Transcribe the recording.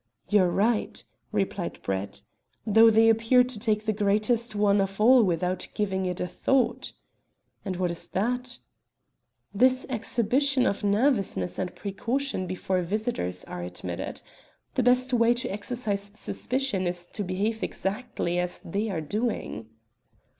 "You are right," replied Brett, "though they appear to take the greatest one of all without giving it a thought." "And what is that?" "This exhibition of nervousness and precaution before visitors are admitted. The best way to excite suspicion is to behave exactly as they are doing."